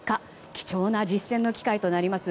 貴重な実戦の機会となります